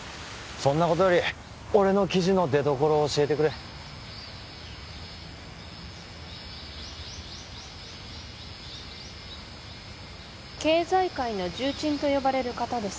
そんなことより俺の記事の出どころを教えてくれ経済界の重鎮と呼ばれる方です